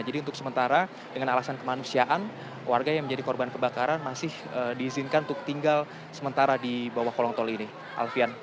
jadi untuk sementara dengan alasan kemanusiaan warga yang menjadi korban kebakaran masih diizinkan untuk tinggal sementara di bawah kolong tol ini